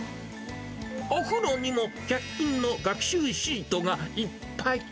お風呂にも百均の学習シートがいっぱい。